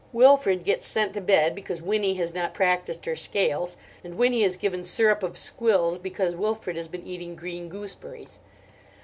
Wilfrid gets sent to bed because Winnie has not practised her scales, and Winnie is given syrup of squills because Wilfried has been eating green gooseberries.